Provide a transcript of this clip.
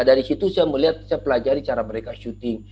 dari situ saya melihat saya pelajari cara mereka syuting